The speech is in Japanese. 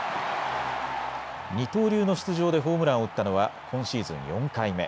二刀流の出場でホームランを打ったのは今シーズン４回目。